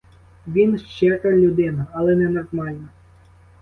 Він щира людина, але ненормальна.